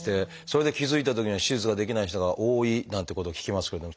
それで気付いたときには手術ができない人が多いなんてことを聞きますけど。